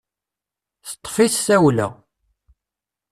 Teṭṭefi-t tawla .